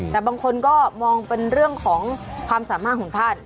แต่บางคนก็มองเป็นเรื่องของความสามารถของท่าน